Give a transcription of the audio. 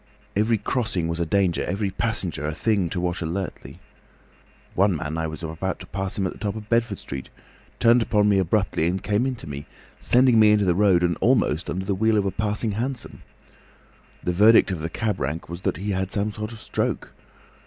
Every crossing was a danger, every passenger a thing to watch alertly. One man as I was about to pass him at the top of Bedford Street, turned upon me abruptly and came into me, sending me into the road and almost under the wheel of a passing hansom. The verdict of the cab rank was that he had had some sort of stroke.